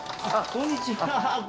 こんにちは